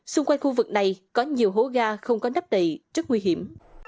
xung quanh khu vực này có nhiều hố ga không có nắp đầy rất nguy hiểm